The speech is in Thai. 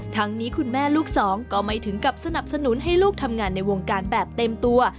นี้คุณแม่ลูกสองก็ไม่ถึงกับสนับสนุนให้ลูกทำงานในวงการแบบเต็มตัว